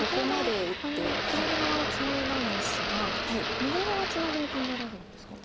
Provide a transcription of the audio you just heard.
先ほど左側をツナいだんですが右側ツナギも考えられるんですか？